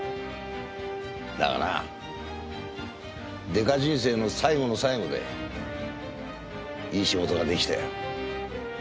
だがなデカ人生の最後の最後でいい仕事が出来たよ。